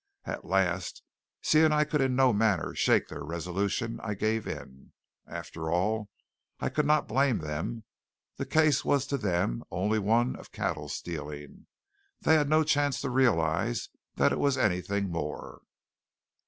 At last, seeing I could in no manner shake their resolution, I gave in. After all, I could not blame them. The case was to them only one of cattle stealing; they had no chance to realize that it was anything more.